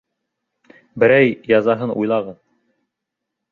Берәй язаһын уйлағыҙ.